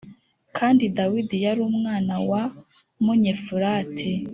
Kandi Dawidi yari umwana wa wa Munyefurati